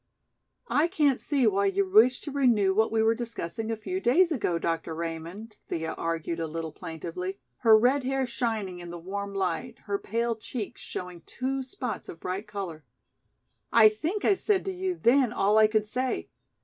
"I can't see why you wish to renew what we were discussing a few days ago, Dr. Raymond," Thea argued a little plaintively, her red hair shining in the warm light, her pale cheeks showing two spots of bright color. "I think I said to you then all I could say.